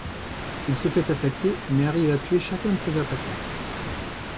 Il se fait attaquer mais arrive à tuer chacun de ses attaquants.